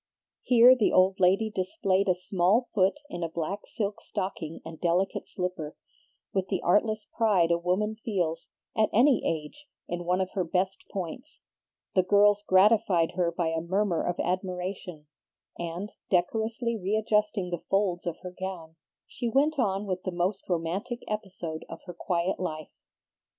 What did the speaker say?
Here the old lady displayed a small foot in a black silk stocking and delicate slipper, with the artless pride a woman feels, at any age, in one of her best points. The girls gratified her by a murmur of admiration, and, decorously readjusting the folds of her gown, she went on with the most romantic episode of her quiet life.